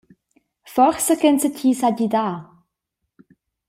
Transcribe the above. Forsa ch’enzatgi sa gidar.